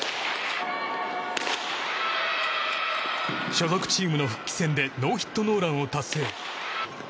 所属チームの復帰戦でノーヒットノーランを達成。